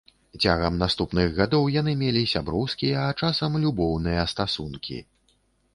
Цягам наступных гадоў яны мелі сяброўскія, а часам любоўныя стасункі.